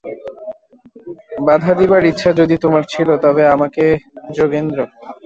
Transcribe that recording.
বাধা দিবার ইচ্ছা যদি তোমার ছিল, তবে আমাকে- যোগেন্দ্র।